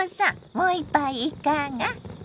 もう一杯いかが？